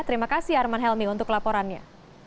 terima kasih arman helmi untuk laporannya